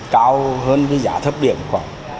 mà họ dùng vào cái giờ thấp điểm thì họ được lời về giá